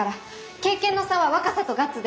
経験の差は若さとガッツで。